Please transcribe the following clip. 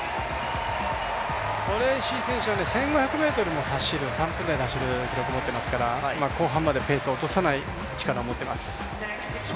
トレイシー選手は１５００ｍも３分台で走る記録持ってますから後半までペースを落とさない力を持っています。